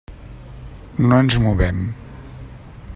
No ens movem.